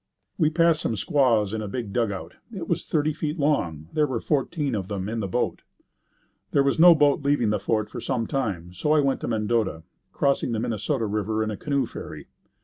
We passed some squaws in a big dugout. It was thirty feet long. There were fourteen of them in the boat. There was no boat leaving the fort for some time so I went to Mendota, crossing the Minnesota River in a canoe ferry.